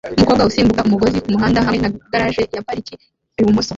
Umukobwa usimbuka umugozi kumuhanda hamwe na garage yaparika ibumoso